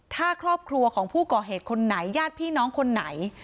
ถ้าครอบครัวของผู้ก่อเหตุคนไหนญาติพี่น้องคนไหน